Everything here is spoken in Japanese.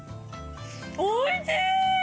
おいしい！